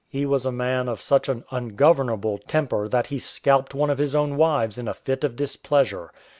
'*'' He was a man of such an ungovernable temper that he scalped one of his own wives in a fit of displeasure.